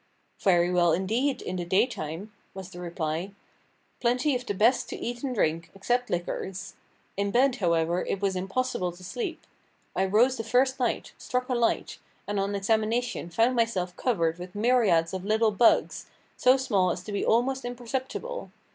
"Very well, indeed, in the daytime," was the reply; "plenty of the best to eat and drink, except liquors. In bed, however, it was impossible to sleep. I rose the first night, struck a light, and on examination found myself covered with myriads of little bugs, so small as to be almost imperceptible.